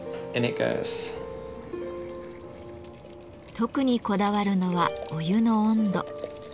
特にこだわるのはお湯の温度。